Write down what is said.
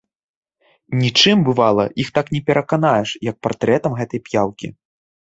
Нічым, бывала, іх так не пераканаеш, як партрэтам гэтай п'яўкі.